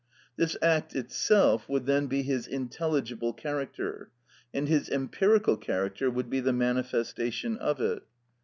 This act itself would then be his intelligible character, and his empirical character would be the manifestation of it.